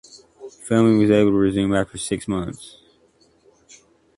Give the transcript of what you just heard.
Filming was able to resume after six months.